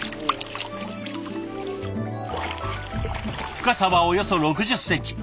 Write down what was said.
深さはおよそ６０センチ。